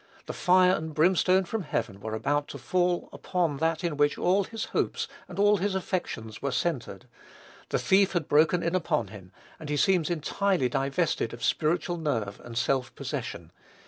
The "fire and brimstone from heaven" were about to fall upon that in which all his hopes and all his affections were centred. The thief had broken in upon him, and he seems entirely divested of spiritual nerve and self possession.